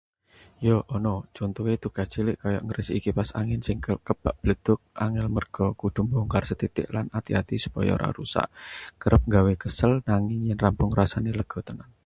Ya, ana. Contone tugas cilik kaya ngresiki kipas angin sing kebak bledug — angel merga kudu mbongkar sethitik lan ati-ati supaya ora rusak. Kerep nggawe kesel, nanging yen rampung rasane lega tenan.